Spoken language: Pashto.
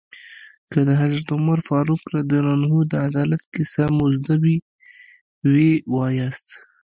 که د حضرت عمر فاروق رض د عدالت کیسه مو زده وي ويې وایاست.